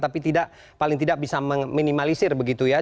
tapi paling tidak bisa meminimalisir begitu ya